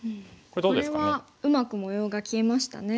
これはうまく模様が消えましたね。